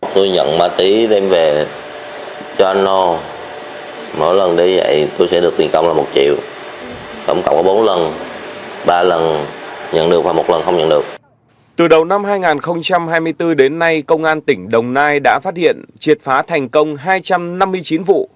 từ đầu năm hai nghìn hai mươi bốn đến nay công an tỉnh đồng nai đã phát hiện triệt phá thành công hai trăm năm mươi chín vụ